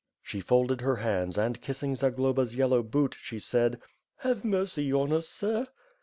She folded her hands and kissing Zagloba's yellow boot, she said: Have mercy on us, sir."